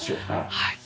はい。